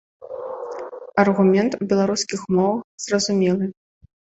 Аргумент у беларускіх умовах зразумелы.